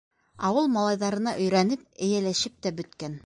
Ауыл малайҙарына өйрәнеп, эйәләшеп тә бөткән.